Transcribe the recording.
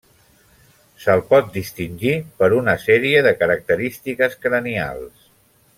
Se'l pot distingir de i per una sèrie de característiques cranials.